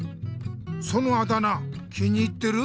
そのあだ名気に入ってる？